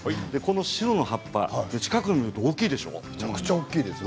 シュロの葉っぱを近くで見ると大きいでしょう？